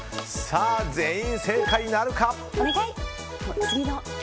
全員正解なるか。